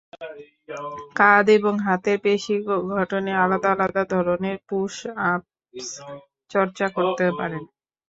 কাঁধ এবং হাতের পেশি গঠনে আলাদা আলাদা ধরনের পুশ-আপস চর্চা করতে পারেন।